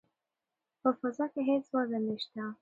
په فضا کې هیڅ وزن نشته.